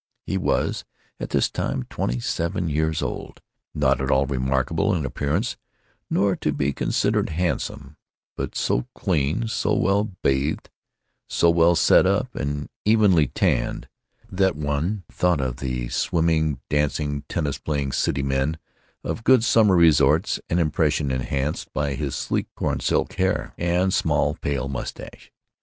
He was, at this time, twenty seven years old; not at all remarkable in appearance nor to be considered handsome, but so clean, so well bathed, so well set up and evenly tanned, that one thought of the swimming, dancing, tennis playing city men of good summer resorts, an impression enhanced by his sleek corn silk hair and small, pale mustache.